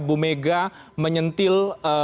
bu mega menyentil